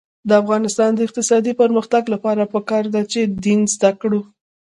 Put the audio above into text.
د افغانستان د اقتصادي پرمختګ لپاره پکار ده چې دین زده کړو.